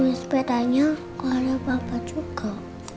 main sepedanya gak ada papa juga